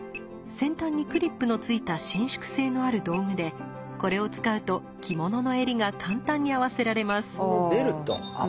先端にクリップの付いた伸縮性のある道具でこれを使うと着物の襟が簡単に合わせられます。